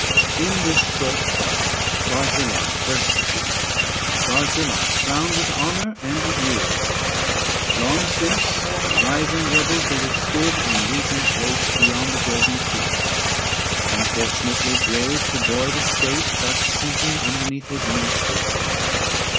In this short file Barzillai first appears, Barzillai, crowned with honour and with years. 110 ABSALOM AND ACHITOPHEL. Long since the rising rebels he withstood In regions waste beyond the Jordan's flood: 820 Unfortunately brave to buoy the state, But sinking underneath his master's fate.